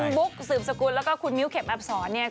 บุ๊กสืบสกุลแล้วก็คุณมิ้วเข็มอับสอนเนี่ย